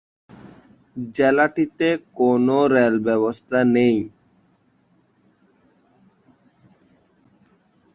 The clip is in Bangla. জেলাটিতে কোনো রেল ব্যবস্থা নেই।